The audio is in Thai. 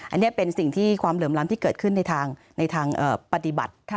อันนี้เป็นสิ่งที่ความเหลื่อมล้ำที่เกิดขึ้นในทางปฏิบัติ